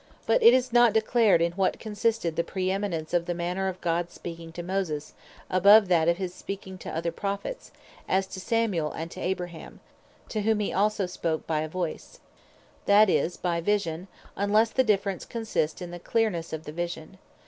But it is not declared in what consisted the praeeminence of the manner of Gods speaking to Moses, above that of his speaking to other Prophets, as to Samuel, and to Abraham, to whom he also spake by a Voice, (that is, by Vision) Unlesse the difference consist in the cleernesse of the Vision.